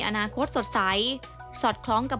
กระแสรักสุขภาพและการก้าวขัด